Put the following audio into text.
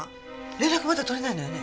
連絡まだ取れないのよね？